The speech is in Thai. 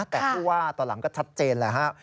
แต่ผู้ว่าตอนหลังก็ชัดเจนแหละฮะ